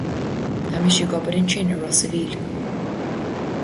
Tá mise ag obair ansin i Ros an Mhíl.